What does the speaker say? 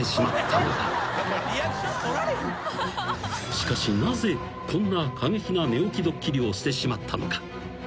［しかしなぜこんな過激な寝起きドッキリをしてしまったのか？］